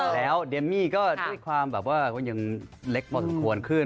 แล้วเดมมี่ก็ด้วยความแบบว่าก็ยังเล็กพอสมควรขึ้น